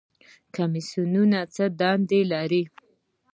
کمیسیونونه څه دنده لري؟